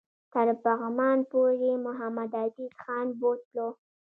تر پغمان پوري محمدعزیز خان بوتلو.